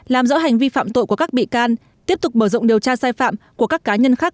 làm rõ hành vi phạm tội của các bị can tiếp tục mở rộng điều tra sai phạm của các cá nhân khác